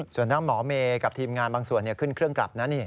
ส่วนทั้งหมอเมย์กับทีมงานบางส่วนขึ้นเครื่องกลับนะนี่